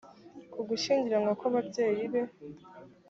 ku gushyingiranwa kw’ababyeyi be